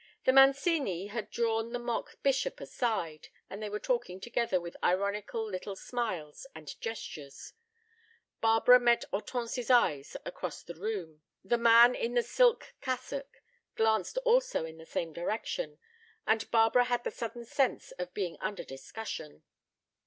The Mancini had drawn the mock bishop aside, and they were talking together with ironical little smiles and gestures. Barbara met Hortense's eyes across the room. The man in the silk cassock glanced also in the same direction, and Barbara had the sudden sense of being under discussion.